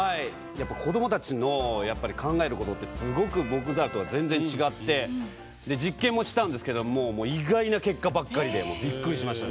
子どもたちの考えることってすごく僕らとは全然、違って実験もしたんですけども意外な結果ばっかりでびっくりしました。